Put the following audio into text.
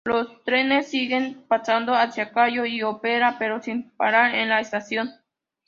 Los trenes siguen pasando hacia Callao u Ópera, pero sin parar en la estación.